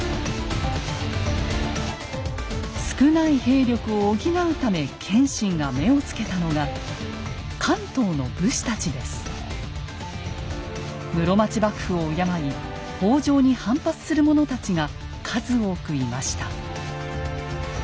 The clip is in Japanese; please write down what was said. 少ない兵力を補うため謙信が目を付けたのが室町幕府を敬い北条に反発する者たちが数多くいました。